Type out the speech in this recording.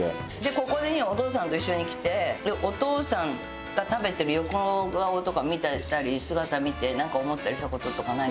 ここにお父さんと一緒に来てお父さんが食べてる横顔とか見てたり姿見てなんか思ったりした事とかないの？